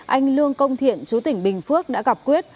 anh lương công thiện chú tỉnh bình phước đã gặp quyết